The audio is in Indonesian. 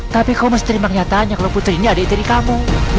tapi kau mesti mengatanya kalau putri ini adik diri kamu